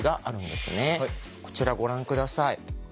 こちらご覧下さい。